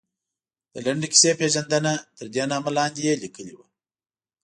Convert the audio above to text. د لنډې کیسې پېژندنه، تردې نامه لاندې یې لیکلي وو.